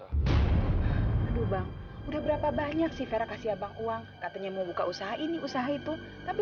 abang udah berapa banyak si fera kasih abang uang katanya mau buka usaha ini usaha itu tapi